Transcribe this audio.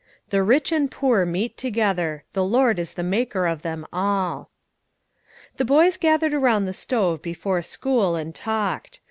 "The rich and poor meet together; the Lord is the Maker of them all." The boys gathered around the stove before school, and talked.